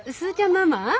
ママ